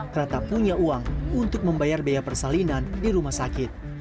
kereta punya uang untuk membayar biaya persalinan di rumah sakit